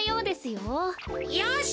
よし！